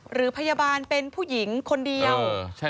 หรือพยาบาลเป็นผู้หญิงคนเดียว